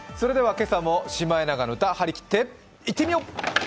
今朝も「シマエナガの歌」はりきっていってみよう！